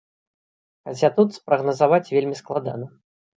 Хаця тут спрагназаваць вельмі складана.